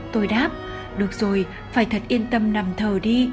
tôi đáp được rồi phải thật yên tâm nằm thờ đi